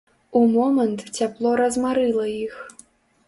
У момант цяпло размарыла іх.